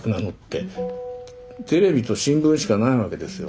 テレビと新聞しかないわけですよ。